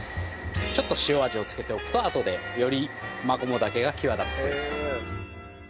ちょっと塩味をつけておくとあとでよりマコモダケが際立つという。